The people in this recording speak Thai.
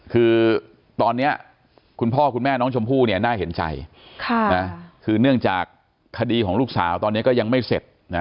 คือตอนนี้คุณพ่อคุณแม่น้องชมพู่เนี่ยน่าเห็นใจคือเนื่องจากคดีของลูกสาวตอนนี้ก็ยังไม่เสร็จ